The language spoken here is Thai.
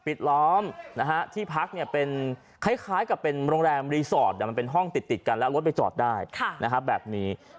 ปิดล้อมที่พักเป็นคล้ายกับโรงแรมรีสอร์ตแต่มันเป็นห้องติดกันแล้วรถไปจอดได้